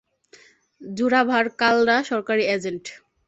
জোরাভার কালরা, সরকারী এজেন্ট।